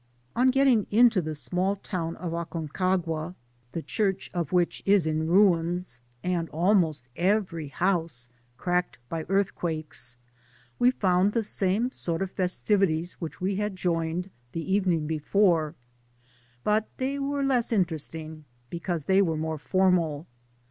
On getting into the small town of Acoiicagua, the church of which is in riuris, and almost every house cracked by earthquakes, we found the same sort of festivities in which we had joined the evenkig before, but they were less interesting, because they were more formal.